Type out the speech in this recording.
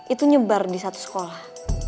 itu nyebar di satu sekolah